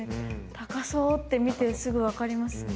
高そうって見てすぐ分かりますね。